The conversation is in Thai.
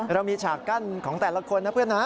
เรามีฉากกั้นของแต่ละคนนะเพื่อนนะ